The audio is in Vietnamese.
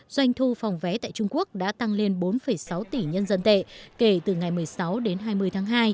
doanh thu phòng vé tại trung quốc đã tăng lên bốn sáu tỷ nhân dân tệ kể từ ngày một mươi sáu đến hai mươi tháng hai